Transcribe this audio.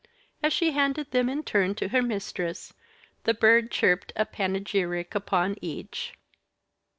As she handed them in turn to her mistress, the Bird chirped a panegyric upon each.